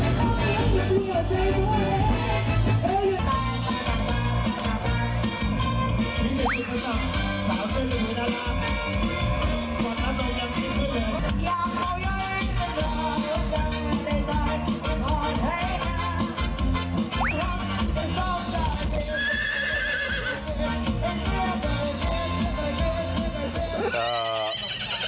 ก่อนนั้นต้องอย่างนี้ด้วย